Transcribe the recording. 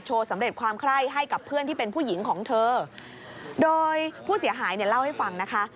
สำเร็จความไคร้ให้กับเพื่อนที่เป็นผู้หญิงของเธอโดยผู้เสียหายเนี่ยเล่าให้ฟังนะคะ